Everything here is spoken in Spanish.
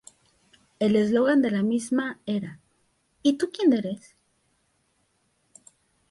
El eslogan de la misma era "¿Y tú quien eres?".